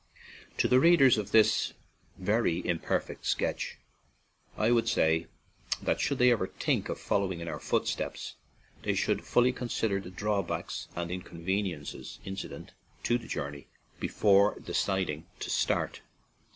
To the readers of this very imperfect sketch I would say that should they ever think of following in our footsteps, they should fully consider the drawbacks and inconveniences incident to the journey before deciding to start.